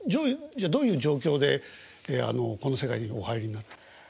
どういう状況でこの世界にお入りになったんですか？